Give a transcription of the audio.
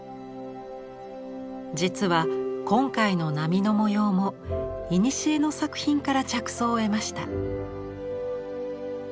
実は今回の波の模様もいにしえの作品から着想を得ました。